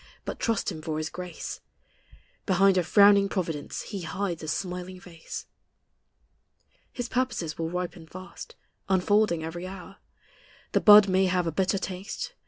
But trust Him for His grace: Behind a frowning providence He hides a smiling face. His purposes will ripen fast, Unfolding every hour; The bud may have a bitter taste.